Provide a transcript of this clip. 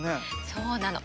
そうなの。